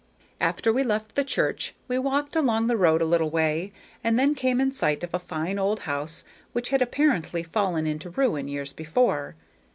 After we left the church we walked along the road a little way, and came in sight of a fine old house which had apparently fallen into ruin years before.